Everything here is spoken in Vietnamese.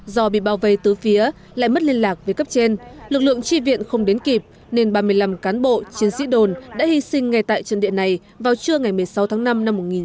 do bị bao vây từ phía lại mất liên lạc với cấp trên lực lượng tri viện không đến kịp nên ba mươi năm cán bộ chiến sĩ đồn đã hy sinh ngay tại chân địa này vào trưa ngày một mươi sáu tháng năm năm một nghìn chín trăm bảy mươi